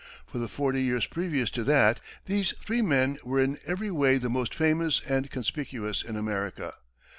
For the forty years previous to that, these three men were in every way the most famous and conspicuous in America.